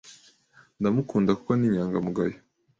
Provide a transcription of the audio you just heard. Ndamukunda kuko ni inyangamugayo.